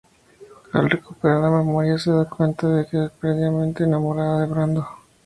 Al recuperar la memoria, se da cuenta que está perdidamente enamorada de Brando.